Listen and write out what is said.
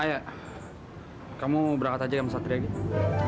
ayah kamu berangkat aja sama satria gitu